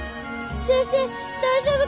先生大丈夫かぁ？